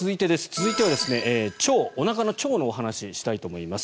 続いては、おなかの腸の話をしたいと思います。